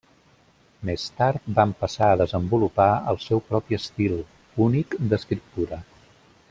Més tard van passar a desenvolupar el seu propi estil, únic, d'escriptura.